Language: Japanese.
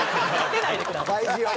大事よ。